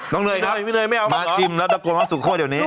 เนยครับมาชิมแล้วตะโกนว่าสุโคตรเดี๋ยวนี้